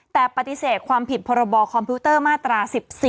แต่ปฏิเสธความผิดพรบคอมพิวเตอร์มาตรา๑๔